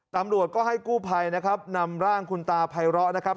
ตำรวจก็ให้กู้ภัยนะครับนำร่างคุณตาไพร้อนะครับ